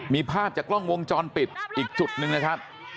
มีภาพจากกล้องวงจรปิดอีกจุดหนึ่งนะครับ